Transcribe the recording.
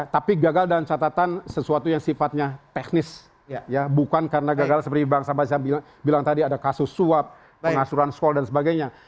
tapi gagal dalam catatan sesuatu yang sifatnya teknis bukan karena gagal seperti bang sabazi bilang tadi ada kasus suap pengasuran sekolah dan sebagainya